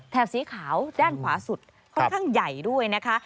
สีขาวด้านขวาสุดค่อนข้างใหญ่ด้วยนะคะ